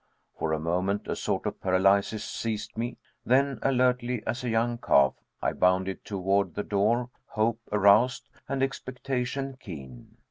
For a moment a sort of paralysis seized me. Then, alertly as a young calf, I bounded toward the door, hope aroused, and expectation keen.